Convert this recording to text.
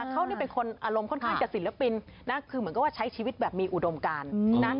เขานี่เป็นคนอารมณ์ค่อนข้างจะศิลปินนะคือเหมือนกับว่าใช้ชีวิตแบบมีอุดมการนะ